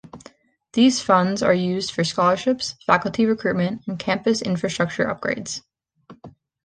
These funds are used for scholarships, faculty recruitment, and campus infrastructure upgrades.